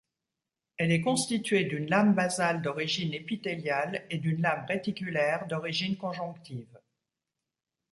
Elle est constituée d'une lame basale d'origine épithéliale et d'une lame réticulaire d'origine conjonctive.